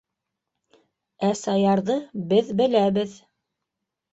Ә Саярҙы беҙ беләбеҙ.